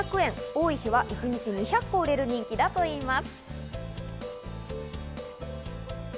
多い日は一日２００個売れる人気だといいます。